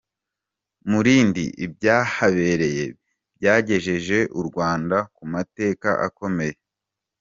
Mulindi Ibyahabereye byagejeje u Rwanda ku mateka akomeye